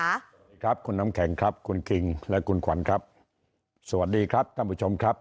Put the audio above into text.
สวัสดีครับคุณน้ำแข็งครับคุณคิงและคุณขวัญครับสวัสดีครับท่านผู้ชมครับ